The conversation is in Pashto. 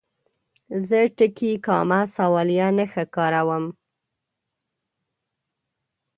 زه ټکي، کامه، سوالیه نښه کاروم.